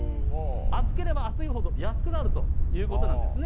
暑ければ暑いほど安くなるというはい。